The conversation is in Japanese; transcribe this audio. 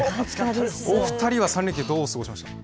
お二人は３連休どうお過ごしでしたか。